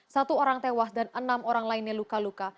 satu orang tewas dan enam orang lainnya luka luka